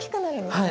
はい。